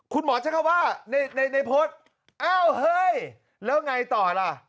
คุณหมอใช้คำว่าในโพสต์อ้าวเฮ้ยแล้วไงต่อล่ะ